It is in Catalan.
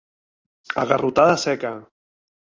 A garrotada seca.